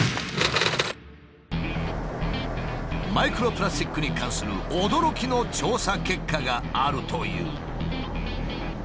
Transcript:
マイクロプラスチックに関する驚きの調査結果があるという。